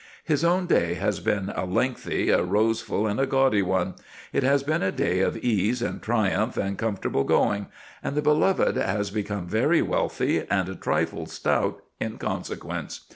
His own day has been a lengthy, a roseful, and a gaudy one; it has been a day of ease and triumph and comfortable going, and the Beloved has become very wealthy and a trifle stout in consequence.